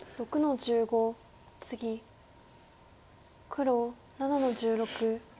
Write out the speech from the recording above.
黒７の十六。